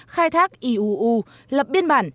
khai thác iuu lập biên bản